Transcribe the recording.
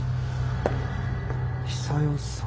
久代さん。